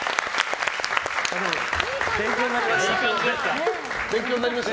でも、勉強になりました。